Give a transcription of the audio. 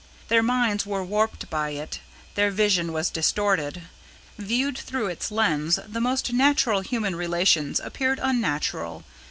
Their minds were warped by it, their vision was distorted: viewed through its lens, the most natural human relations appeared unnatural.